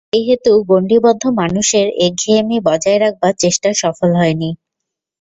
সেইহেতু গণ্ডীবদ্ধ মানুষের একঘেয়েমী বজায় রাখবার চেষ্টা সফল হয়নি।